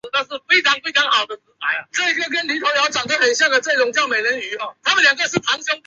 蹄较大。